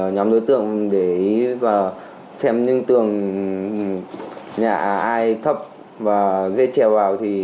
nhóm đối tượng để ý và xem những tường nhà ai thấp và dây trèo vào